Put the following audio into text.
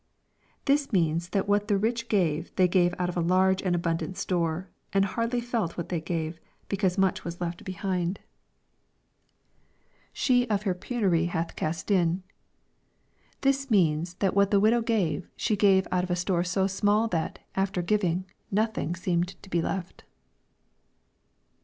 ] This means that what tlie rich gave, they gave out oi a large and abundant store, and hardly felt what they gave, because much was left behind. t LUEE^ CHAP. XXI. 355 [Slie of her penury hath cast m.] This means that whai, the idow gave, she gave out of a store so small that, after giving, nothing seemed to be left.